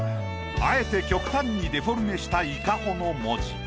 あえて極端にデフォルメした「ＩＫＡＨＯ」の文字。